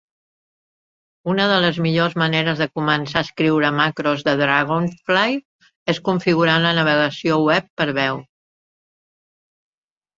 Una de les millors maneres de començar a escriure macros de Dragonfly és configurant la navegació web per veu.